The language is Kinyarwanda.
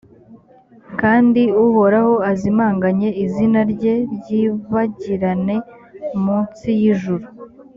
kandi uhoraho azimanganye izina rye ryibagirane mu nsi y’ijuru.